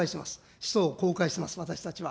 使途を公開してます、私たちは。